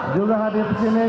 juga hadir di sini